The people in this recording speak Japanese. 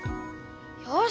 よし！